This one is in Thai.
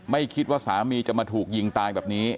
ไม่คิดว่าสามีจะมาถูกยิงตายแบบนี้